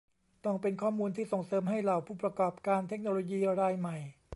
ต้องเป็นข้อมูลที่ส่งเสริมให้เหล่าผู้ประกอบการเทคโนโลยีรายใหม่